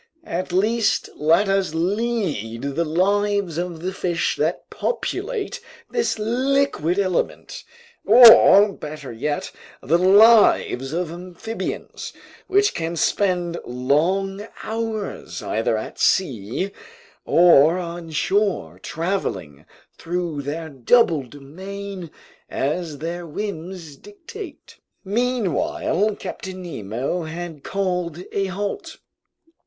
At least let us lead the lives of the fish that populate this liquid element, or better yet, the lives of amphibians, which can spend long hours either at sea or on shore, traveling through their double domain as their whims dictate! Meanwhile Captain Nemo had called a halt.